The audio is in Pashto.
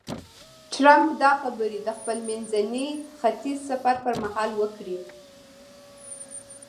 ټرمپ دا خبرې د خپل منځني ختیځ سفر پر مهال وکړې.